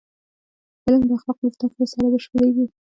علم د اخلاقو له زدهکړې سره بشپړېږي.